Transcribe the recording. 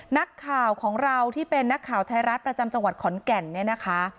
นักข่าวของเราที่เป็นนักข่าวไทยรัฐประจำจังหวัดขอนแก่นเนี่ยนะคะ